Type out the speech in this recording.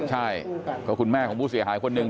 ใช่ก็คุณแม่ของผู้เสียหายคนหนึ่ง